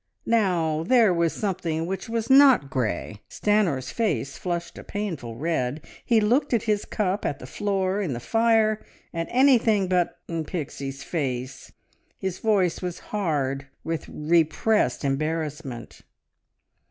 Now there was something which was not grey. Stanor's face flushed a painful red; he looked at his cup, at the floor, in the fire, at anything but in Pixie's face. His voice was hard with repressed embarrassment.